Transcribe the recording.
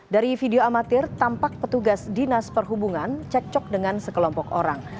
dari video amatir tampak petugas dinas perhubungan cekcok dengan sekelompok orang